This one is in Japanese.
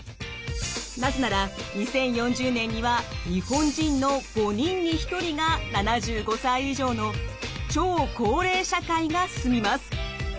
なぜなら２０４０年には日本人の５人に１人が７５歳以上の超高齢社会が進みます。